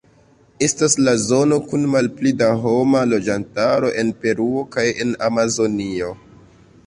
Estas la zono kun malpli da homa loĝantaro en Peruo kaj en Amazonio.